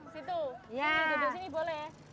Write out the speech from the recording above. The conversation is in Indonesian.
situ ikan asin boleh ya